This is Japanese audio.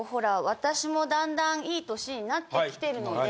私も段々いい年になってきてるので。